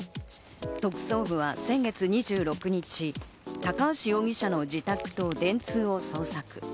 特捜部は先月２６日、高橋容疑者の自宅と電通を捜索。